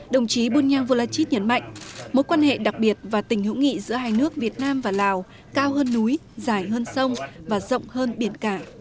đồng chí bunyang volachit nhấn mạnh mối quan hệ đặc biệt và tình hữu nghị giữa hai nước việt nam và lào cao hơn núi dài hơn sông và rộng hơn biển cả